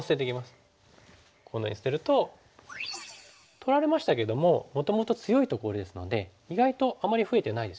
取られましたけどももともと強いところですので意外とあまり増えてないですよね。